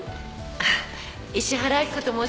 あっ石原明子と申します。